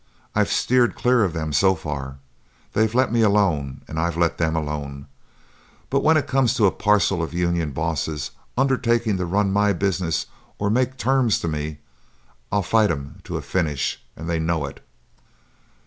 I've steered clear of them so far; they've let me alone and I've let them alone, but when it comes to a parcel of union bosses undertaking to run my business or make terms to me, I'll fight 'em to a finish, and they know it."